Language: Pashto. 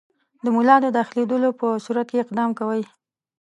د ملا د داخلېدلو په صورت کې اقدام کوئ.